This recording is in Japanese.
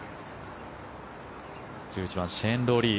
１１番シェーン・ロウリー。